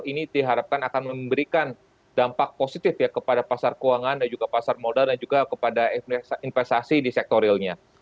ini diharapkan akan memberikan dampak positif ya kepada pasar keuangan dan juga pasar modal dan juga kepada investasi di sektor realnya